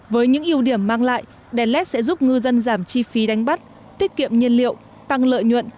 với những ưu điểm mang lại đèn led sẽ giúp ngư dân giảm chi phí đánh bắt tiết kiệm nhiên liệu tăng lợi nhuận